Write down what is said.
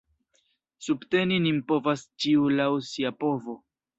Subteni nin povas ĉiu laŭ sia povo.